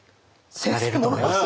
なれると思います。